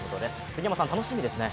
杉山さん、楽しみですね。